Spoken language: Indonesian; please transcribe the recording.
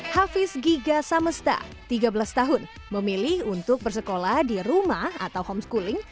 hafiz giga samesta tiga belas tahun memilih untuk bersekolah di rumah atau homeschooling